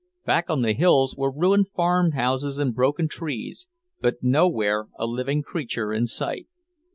Back on the hills were ruined farmhouses and broken trees, but nowhere a living creature in sight.